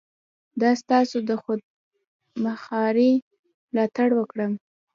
د ستاسو د خودمختاري ملاتړ وکړم.